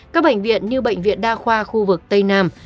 các bệnh viện như bệnh viện đa khoa khu vực tây nam